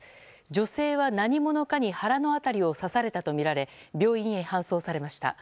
女性は何者かに腹の辺りを刺されたとみられ病院へ搬送されました。